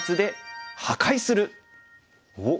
おっ！